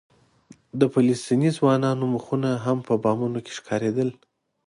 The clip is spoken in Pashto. د فلسطیني ځوانانو مخونه هم په بامونو کې ښکارېدل.